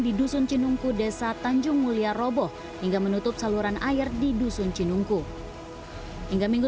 di dusun cinungku desa tanjung mulia roboh hingga menutup saluran air di dusun cinungku hingga minggu